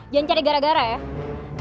jangan cari gara gara ya